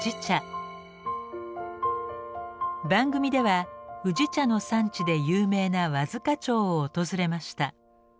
番組では宇治茶の産地で有名な和束町を訪れました。